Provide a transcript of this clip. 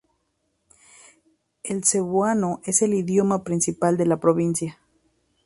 El cebuano es el idioma principal de la provincia.